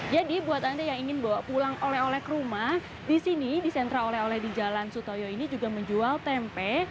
jadi buat anda yang ingin bawa pulang oleh oleh ke rumah di sini di sentra oleh oleh di jalan sutoyo ini juga menjual tempe